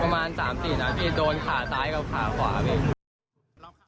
ประมาณ๓๔นาทีโดนขาซ้ายกับขาขวาพี่